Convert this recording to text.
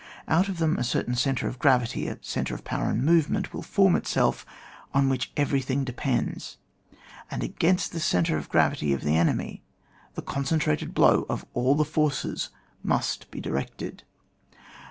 Out of them a certain centre of gravity, a centre of power and movement, will form itself, on which everything depends ; and against this centre of gravity of the enemy, the concentrated blow of all the forces must be directed.